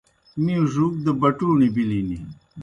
می ڙُوک دہ بَٹُوݨیْ بِلِن۔